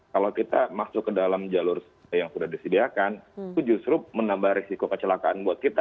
kalau kita masuk ke dalam jalur yang sudah disediakan itu justru menambah risiko kecelakaan buat kita